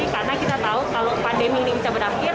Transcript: karena kita tahu kalau pandemi ini bisa berakhir